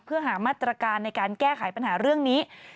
เพื่อหามาตรการในการแก้ไขปัญหาเรื่องนี้